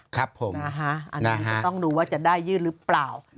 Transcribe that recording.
เอิ้มฮ่าคั้นนี้จะต้องดูว่าจะได้ยื่นหรือเปล่า